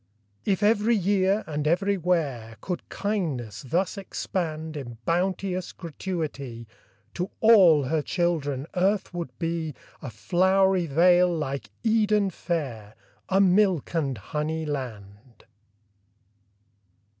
If every year and everywhere Could kindness thus expand In bounteous gratuity, To all her children earth would be A flowery vale like Eden fair, A milk and honey land.